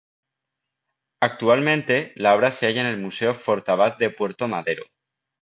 Actualmente, la obra se halla en el Museo Fortabat de Puerto Madero.